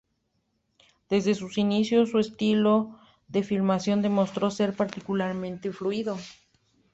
Desde sus inicios, su estilo de filmación demostró ser particularmente fluido.